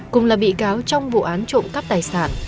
cùng là bị cáo trong vụ án trộm cắp tài sản